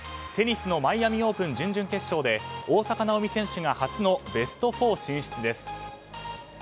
テニスのマイアミ・オープン準々決勝で大坂なおみ選手が初のベスト４進出です。